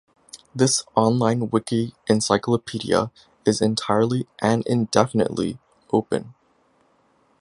This online wiki encyclopedia is entirely and "indefinitely" open.